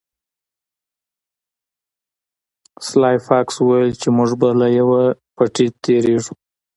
سلای فاکس وویل چې موږ به له یوه پټي تیریږو